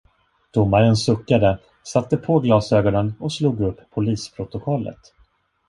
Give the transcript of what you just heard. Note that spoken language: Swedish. Domaren suckade, satte på glasögonen och slog upp polisprotokollet.